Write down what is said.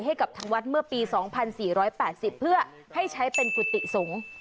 ให้กับทางวัดเมื่อปี๒๔๘๐เพื่อให้ใช้เป็นกุฏิสงฆ์